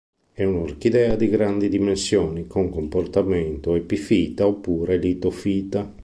È un'orchidea di grandi dimensioni, con comportamento epifita oppure litofita.